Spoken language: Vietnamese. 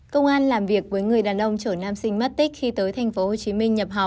công an làm việc với người đàn ông trở nam sinh mất tích khi tới tp hcm